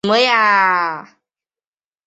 半鞅是概率论的概念。